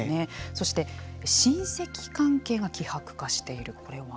そして親戚関係が希薄化している。